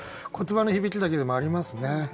言葉の響きだけでもありますね。